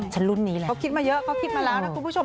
ใช่เขาคิดมาเยอะเขาคิดมาแล้วนะคุณผู้ชม